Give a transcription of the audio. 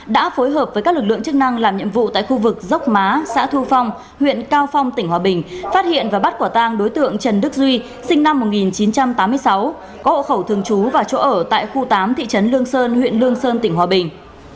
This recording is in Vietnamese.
đã phối hợp với các lực lượng chức năng làm nhiệm vụ tại khu vực dốc má xã thu phong huyện cao phong tỉnh hòa bình phát hiện và bắt quả tang đối tượng trần đức duy sinh năm một nghìn chín trăm tám mươi sáu có hộ khẩu thường trú và chỗ ở tại khu tám thị trấn lương sơn huyện lương sơn tỉnh hòa bình